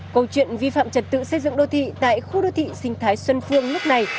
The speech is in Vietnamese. câu chuyện vi phạm trật tự xây dựng đô thị tại khu đô thị sinh thái xuân phương lúc này